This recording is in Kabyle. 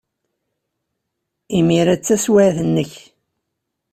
Imir-a d taswiɛt-nnek.